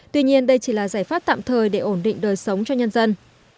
tuy nhiên đây chỉ là giải pháp tạm thời để ổn định đời sống cho nhân dân